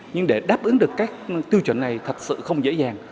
nhưng để đáp ứng được các tiêu chuẩn này thật sự không dễ dàng